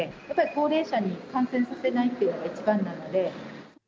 やっぱり高齢者に感染させないってのが一番なので。